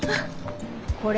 これ？